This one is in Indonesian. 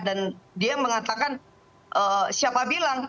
dan dia mengatakan siapa bilang